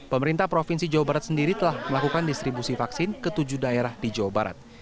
pemerintah provinsi jawa barat sendiri telah melakukan distribusi vaksin ke tujuh daerah di jawa barat